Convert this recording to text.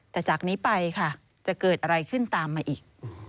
แต่จากนี้ไปค่ะจะเกิดอะไรขึ้นตามมาอีก